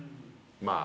まあ。